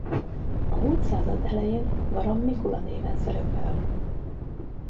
A mult század elején Garam-Mikula néven szerepel.